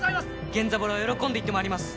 源三郎喜んで行ってまいります。